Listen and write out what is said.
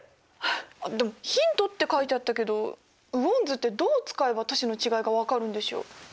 でも「ヒント」って書いてあったけど雨温図ってどう使えば都市の違いが分かるんでしょう？